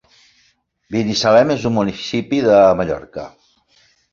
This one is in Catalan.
Binissalem és un municipi de Mallorca.